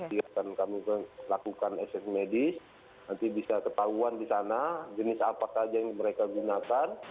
nanti akan kami lakukan ekses medis nanti bisa ketahuan di sana jenis apa saja yang mereka gunakan